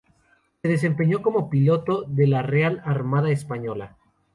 Se desempeñó como piloto de la Real Armada Española.